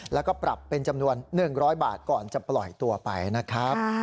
แล้วก็ปรับเป็นจำนวน๑๐๐บาทก่อนจะปล่อยตัวไปนะครับ